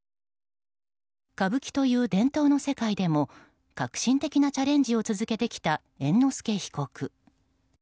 歌舞伎という伝統の世界でも革新的なチャレンジを続けてきた猿之助被告。